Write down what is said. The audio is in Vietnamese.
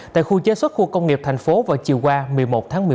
tại khu chế xuất khu công nghiệp tp hcm vào chiều qua một mươi một tháng một mươi một